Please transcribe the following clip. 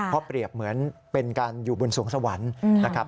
เพราะเปรียบเหมือนเป็นการอยู่บนสวงสวรรค์นะครับ